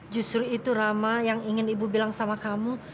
justru itu rama yang ingin ibu bilang sama kamu